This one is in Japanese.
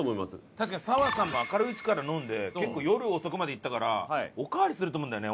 確かに砂羽さんも明るいうちから飲んで結構夜遅くまでいったからおかわりすると思うんだよね